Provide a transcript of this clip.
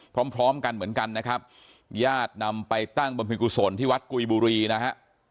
พร้อมพร้อมกันเหมือนกันนะครับญาตินำไปตั้งบำเพ็ญกุศลที่วัดกุยบุรีนะฮะ